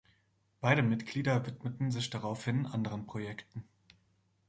Beide Mitglieder widmeten sich daraufhin anderen Projekten.